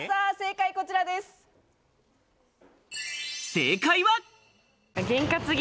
正解は。